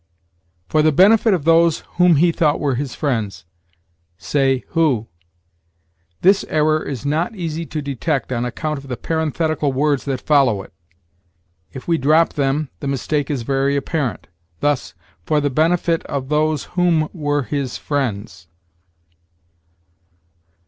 "For the benefit of those whom he thought were his friends": say, who. This error is not easy to detect on account of the parenthetical words that follow it. If we drop them, the mistake is very apparent; thus, "For the benefit of those whom were his friends."